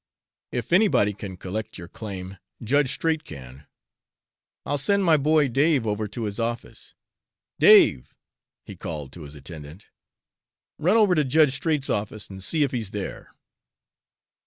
If anybody can collect your claim, Judge Straight can. I'll send my boy Dave over to his office. Dave," he called to his attendant, "run over to Judge Straight's office and see if he's there.